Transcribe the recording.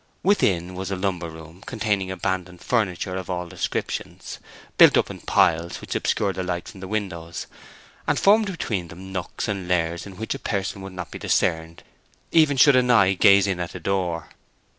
Within was a lumber room, containing abandoned furniture of all descriptions, built up in piles which obscured the light of the windows, and formed between them nooks and lairs in which a person would not be discerned even should an eye gaze in at the door.